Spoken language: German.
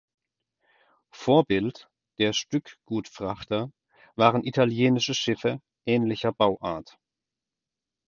Vorbild der Stückgutfrachter waren italienische Schiffe ähnlicher Bauart.